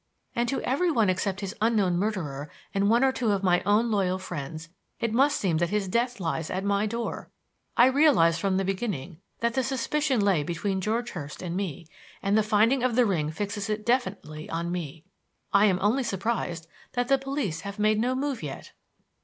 And to every one except his unknown murderer and one or two of my own loyal friends, it must seem that his death lies at my door. I realized from the beginning that the suspicion lay between George Hurst and me; and the finding of the ring fixes it definitely on me. I am only surprised that the police have made no move yet."